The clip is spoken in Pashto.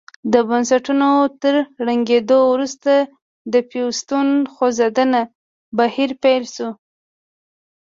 د بنسټونو تر ړنګېدو وروسته د پیوستون خوځنده بهیر پیل شو.